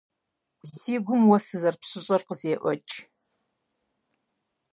Си гум уэ сызэрыпщыщӀэр къызеӀуэкӀ.